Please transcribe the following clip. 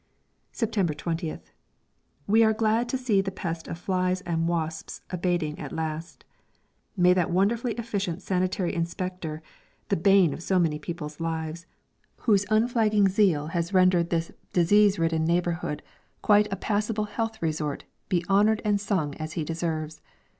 September 20th. We are glad to see the pest of flies and wasps abating at last. May that wonderfully efficient sanitary inspector the bane of so many people's lives! whose unflagging zeal has rendered this disease ridden neighbourhood quite a passable health resort be honoured and sung as he deserves.